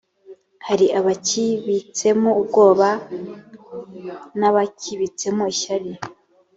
hari abakibitsemo ubwoba n’abakibitsemo ishyari